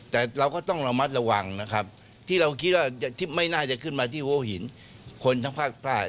แต่เราก็ต้องระมัดระวังนะครับที่เราคิดว่าไม่น่าจะขึ้นมาที่หัวหินคนทั้งภาคใต้